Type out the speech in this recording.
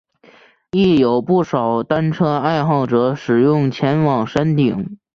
亦有不少单车爱好者使用前往山顶。